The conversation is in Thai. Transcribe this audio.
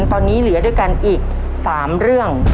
ตอนนี้เหลือด้วยกันอีก๓เรื่อง